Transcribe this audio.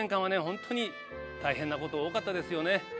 本当に大変なこと多かったですよね。